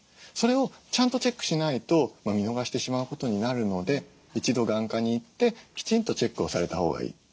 それをちゃんとチェックしないと見逃してしまうことになるので一度眼科に行ってきちんとチェックをされたほうがいい。